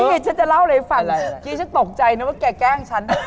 นี่ฉันจะเล่าอะไรให้ฟังกี้ฉันตกใจนะว่าแกแกล้งฉัน